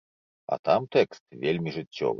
А там тэкст вельмі жыццёвы.